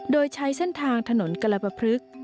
โดยใช้เส้นทางถนนกละปะพฤกษ์